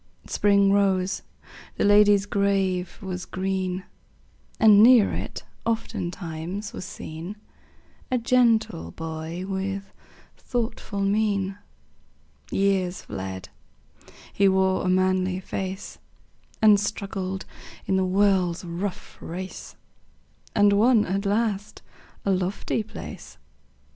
Spring rose; the lady's grave was green; And near it, oftentimes, was seen A gentle boy with thoughtful mien. Years fled; he wore a manly face, And struggled in the world's rough race, And won at last a lofty place.